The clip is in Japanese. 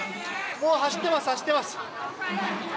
もう走ってます、走ってます。